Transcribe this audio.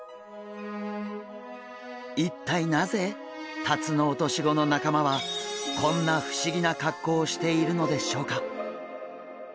一体なぜタツノオトシゴの仲間はこんな不思議な格好をしているのでしょうか？